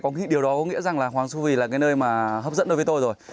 có nghĩa điều đó có nghĩa rằng là hoàng su phi là cái nơi mà hấp dẫn đối với tôi rồi